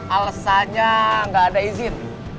alasannya gak ada izin